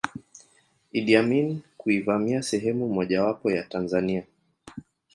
Iddi Amini kuivamia sehemu mojawapo ya Tanzania